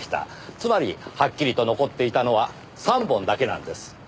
つまりはっきりと残っていたのは３本だけなんです。